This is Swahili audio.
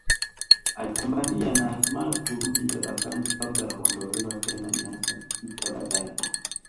Alipambania na hatimae kurudi madarakani kabla ya kuondolewa tena miaka sita baadae